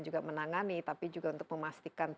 juga menangani tapi juga untuk memastikan